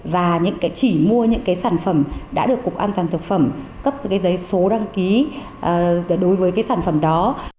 và chỉ mua những cái sản phẩm đã được cục an toàn thực phẩm cấp giấy số đăng ký đối với cái sản phẩm đó